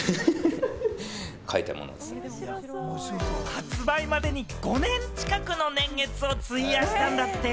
発売までに５年近くの年月を費やしたんだって。